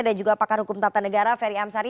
dan juga pakar hukum tata negara ferry amsari